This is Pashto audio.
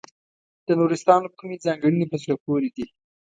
د نورستان کومې ځانګړنې په زړه پورې دي.